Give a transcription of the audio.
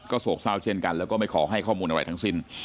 โศกเศร้าเช่นกันแล้วก็ไม่ขอให้ข้อมูลอะไรทั้งสิ้น